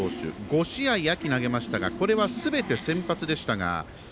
５試合、秋に投げましたがこれはすべて先発でしたが。